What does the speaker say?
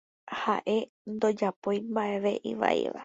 Haʼe ndojapói mbaʼeve ivaíva.